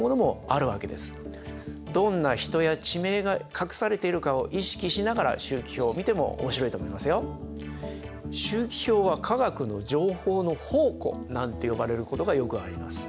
どんな人や地名が隠されているかを意識しながら周期表を見ても面白いと思いますよ。なんて呼ばれることがよくあります。